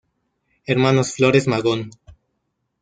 Hermanos Flores Magón.